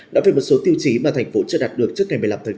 đó là một số tiêu chí mà thành phố chưa đạt được trước ngày một mươi năm chín